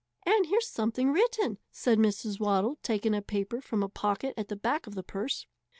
"And here's something written," said Mrs. Waddle, taking a paper from a pocket at the back of the purse.